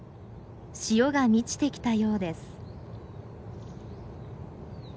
潮が満ちてきたようです。